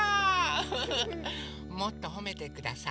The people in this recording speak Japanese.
ウフフもっとほめてください。